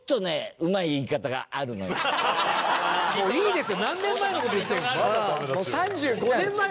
もういいですよ。